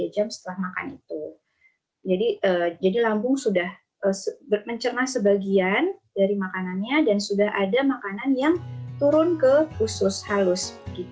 juga ada jadinya waktu untuk usus halus